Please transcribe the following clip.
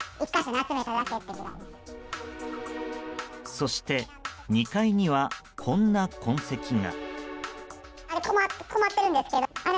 そして２階にはこんな痕跡が。